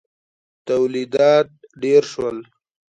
تولیدات ډېر شول.